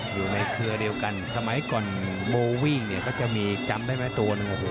เครือเดียวกันสมัยก่อนโบวิ่งเนี่ยก็จะมีจำได้ไหมตัวหนึ่ง